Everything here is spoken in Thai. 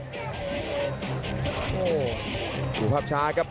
ขดถูกขอหภาพช้าครับ